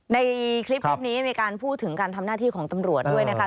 ในคลิปนี้มีการพูดถึงการทำหน้าที่ของตำรวจด้วยนะคะ